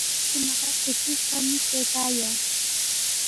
Ñuqakunaqa kushishqami kaykaayaa.